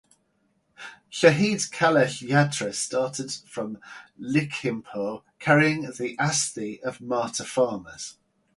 Shaheed Kalash Yatra started from Lakhimpur carrying the asthi of martyr-farmers.